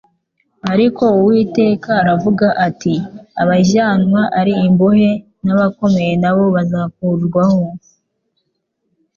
Ariko Uwiteka aravuga ati : abajyanwa ari imbohe n'abakomeye nabo bazakurwayo,